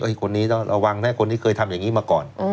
โอ้ยคนนี้ระวังนะคนนี้เคยทำอย่างนี้มาก่อน